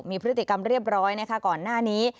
มีพฤติกรรมเรียบร้อยนะคะก่อนหน้านี้